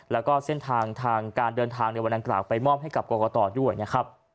และเส้นทางทางการเดินทางในวันอันกราบไปมอบให้กับกรกต่อด้วย